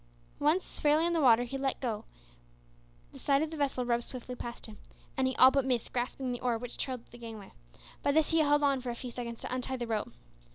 Once fairly in the water he let go, the side of the vessel rubbed swiftly past him, and he all but missed grasping the oar which trailed at the gangway. By this he held on for a few seconds to untie the rope.